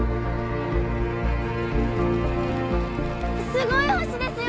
すごい星ですよ